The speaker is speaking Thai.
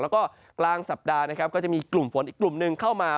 แล้วก็กลางสัปดาห์นะครับก็จะมีกลุ่มฝนอีกกลุ่มหนึ่งเข้ามา